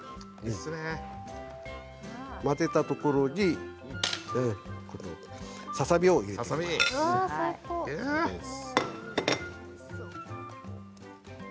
混ぜたところにこのささ身を入れていきます。